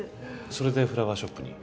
それでフラワーショップに？